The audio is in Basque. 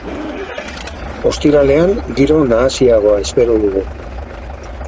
Ostiralean giro nahasiagoa espero dugu.